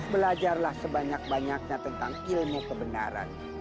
belajarlah sebanyak banyaknya tentang ilmu kebenaran